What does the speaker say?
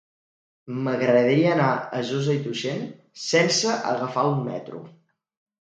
M'agradaria anar a Josa i Tuixén sense agafar el metro.